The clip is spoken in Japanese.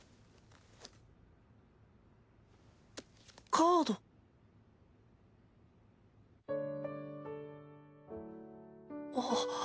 カード？あっ。